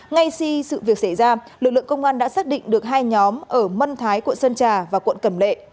ngay khi sự việc xảy ra lực lượng công an đã xác định được hai nhóm ở mân thái quận sơn trà và quận cẩm lệ